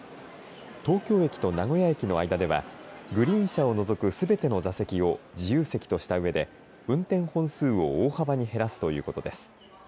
東京駅と名古屋駅の間ではグリーン車を除くすべての座席を自由席としたうえで運転本数を大幅に減らすということです。